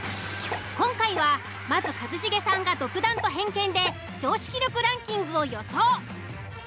今回はまず一茂さんが独断と偏見で常識力ランキングを予想。